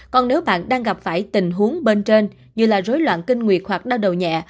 còn nếu bạn đang gặp phải tình huống bên trên như là rối loạn kinh nguyệt hoặc đau đầu nhẹ